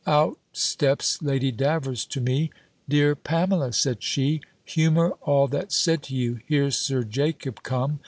Out steps Lady Davers to me; "Dear Pamela," said she, "humour all that's said to you. Here's Sir Jacob come.